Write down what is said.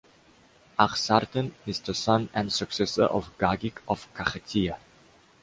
Aghsartan is the son and successor of Gagik of Kakhetia.